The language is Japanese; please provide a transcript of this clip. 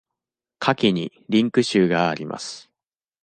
下記にリンク集があります。